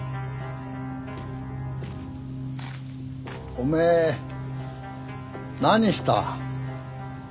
おめえ何した？